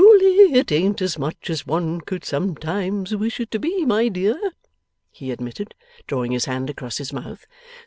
'Truly, it ain't as much as one could sometimes wish it to be, my dear,' he admitted, drawing his hand across his mouth.